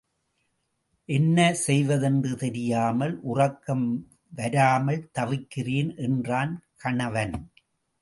என்ன செய்வதென்று தெரியாமல், உறக்கம் வராமல் தவிக்கிறேன் என்றான் கணவன்.